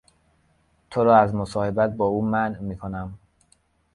تو را از مصاحبت با او منع میکنم.